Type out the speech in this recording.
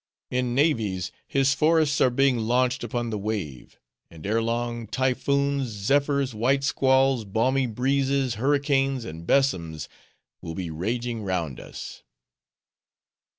In navies his forests are being launched upon the wave; and ere long typhoons, zephyrs, white squalls, balmy breezes, hurricanes, and besoms will be raging round us!"